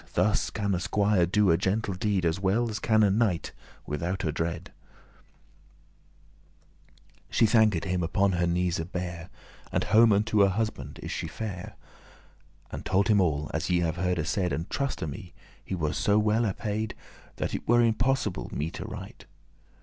Thus can a squier do a gentle deed, As well as can a knight, withoute drede."* *doubt She thanked him upon her knees bare, And home unto her husband is she fare,* *gone And told him all, as ye have hearde said; And, truste me, he was so *well apaid,* *satisfied* That it were impossible me to write.